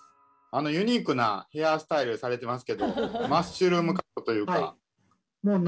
ユニークなヘアスタイルされてますけどマッシュルームカットというか。